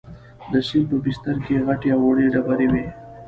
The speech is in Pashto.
د سیند په بستر کې غټې او وړې ډبرې وې.